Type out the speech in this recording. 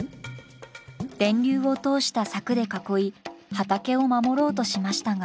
電流を通した柵で囲い畑を守ろうとしましたが。